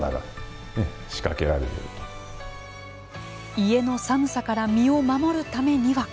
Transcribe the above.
家の寒さから身を守るためには。